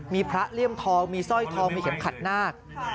มีพระเลี้ยงทองมีสร้อยทองเห็นขัดหน้า